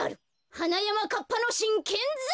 はなやまかっぱのしんけんざん。